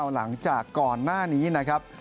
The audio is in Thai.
หลังจากก่อนหน้านี้นะครับ